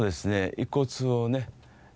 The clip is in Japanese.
遺骨をね